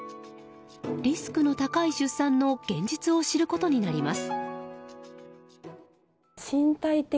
リスクの高い出産の現実を知ることになります。